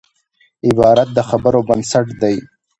عبارت د خبرو بنسټ دئ.